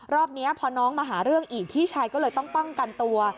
รอบนี้พอน้องมาหาเรื่องอีกพี่ชายก็เลยต้องป้องกันตัว